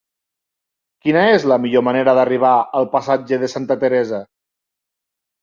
Quina és la millor manera d'arribar al passatge de Santa Teresa?